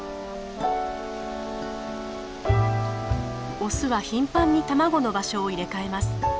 オスは頻繁に卵の場所を入れ替えます。